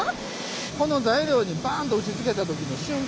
この材料にバンと打ちつけた時の瞬間